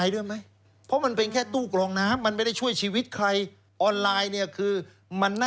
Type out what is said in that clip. เหมือนกับอันนี้แหละครับคุณมิน